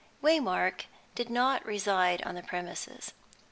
Waymark did not reside on the premises.